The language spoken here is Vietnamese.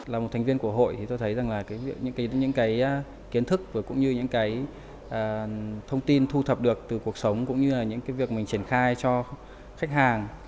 là một thành viên của hội thì tôi thấy rằng là những cái kiến thức và cũng như những cái thông tin thu thập được từ cuộc sống cũng như là những cái việc mình triển khai cho khách hàng